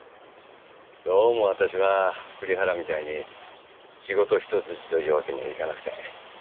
どうも私は栗原みたいに仕事一筋というわけにはいかなくて。